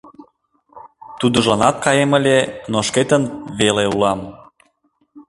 Тудыжланат каем ыле, но шкетын веле улам.